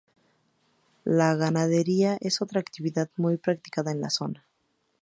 La ganadería es otra actividad muy practicada en la zona.